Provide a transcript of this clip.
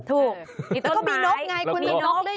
ถูกมีต้นไม้แล้วก็มีนกไงคุณมีนก